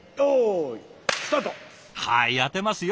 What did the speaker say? はい当てますよ！